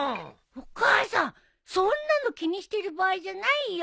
お母さんそんなの気にしてる場合じゃないよ！